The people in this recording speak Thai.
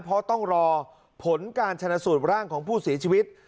เพราะต้องรอผลการชนะสูตรร่างของผู้เสียชีวิต